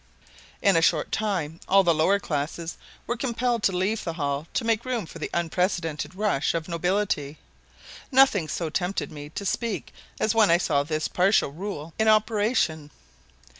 In a short time all the lower classes were compelled to leave the hall to make room for the unprecedented rush of nobility. Nothing so tempted me to speak as when I saw this partial rule in operation.